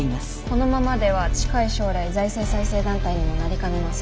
このままでは近い将来財政再生団体にもなりかねません。